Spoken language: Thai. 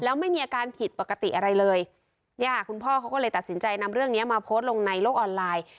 แล้วไม่มีอาการผิดปกติอะไรเลยเนี่ยคุณพ่อเขาก็เลยตัดสินใจนำเรื่องเนี้ยมาโพสต์ลงในโลกออนไลน์